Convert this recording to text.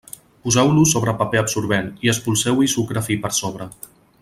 Poseu-los sobre paper absorbent, i espolseu-hi sucre fi per sobre.